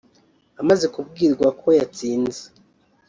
Amaze kubwirwa ko yatsinze